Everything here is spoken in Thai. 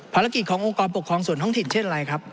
ภารกิจขององค์กรปกครองส่วนท้องถิ่นเช่นอะไรครับ